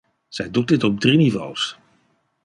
Zij doet dit op drie niveaus.